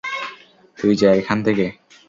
তুই যা এখান থেকে।